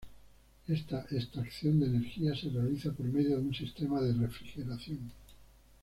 Esta extracción de energía se realiza por medio de un sistema de refrigeración.